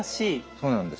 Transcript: そうなんです。